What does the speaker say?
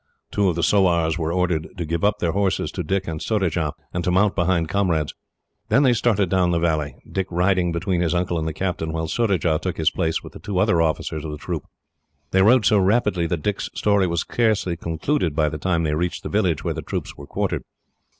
Two of the sowars were ordered to give up their horses to Dick and Surajah, and to mount behind comrades. Then they started down the valley, Dick riding between his uncle and the captain, while Surajah took his place with the two other officers of the troop. They rode so rapidly that Dick's story was scarcely concluded by the time they reached the village where the troops were quartered.